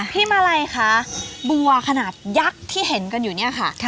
มาลัยคะบัวขนาดยักษ์ที่เห็นกันอยู่เนี่ยค่ะ